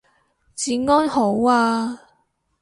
治安好啊